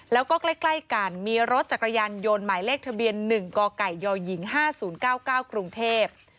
แล้วก็ใกล้กันมีรถจักรยานยนต์หมายเลขทะเบียน๑กไก่ยหญิง๕๐๙๙กรุงเทพ